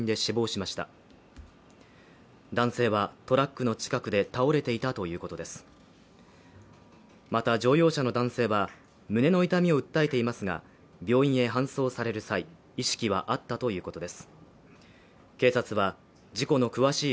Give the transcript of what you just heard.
また、乗用車の男性は胸の痛みを訴えていますが病院へ搬送される際意識はあったということです。